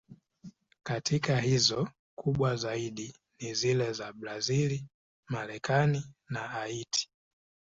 Katika hizo, kubwa zaidi ni zile za Brazil, Marekani na Haiti.